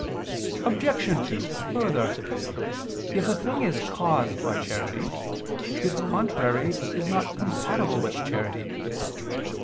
Obj. 2: Further, if a certain thing is caused by charity, its contrary is not compatible with charity.